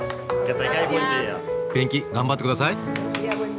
ペンキ頑張って下さい。